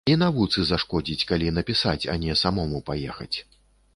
І навуцы зашкодзіць, калі напісаць, а не самому паехаць.